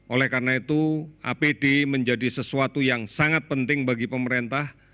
oleh karena itu apd menjadi sesuatu yang sangat penting bagi pemerintah